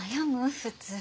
普通。